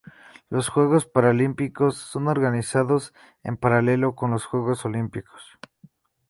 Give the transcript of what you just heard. Los Juegos Paralímpicos son organizados en paralelo con los Juegos Olímpicos.